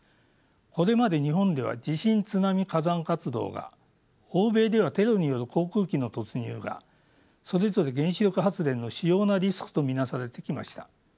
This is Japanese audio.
これまで日本では地震津波火山活動が欧米ではテロによる航空機の突入がそれぞれ原子力発電の主要なリスクと見なされてきました。